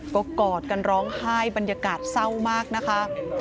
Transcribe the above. ก็กอดกันร้องไห้บรรยากาศเศร้ามากนะคะ